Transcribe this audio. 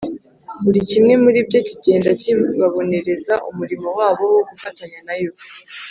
buri kimwe muri byo kigenda kibabonereza umurimo wabo wo gufatanya na yo